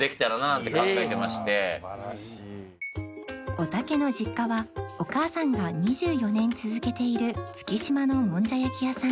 おたけの実家はお母さんが２４年続けている月島のもんじゃ焼き屋さん